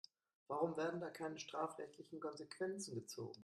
Warum werden da keine strafrechtlichen Konsequenzen gezogen?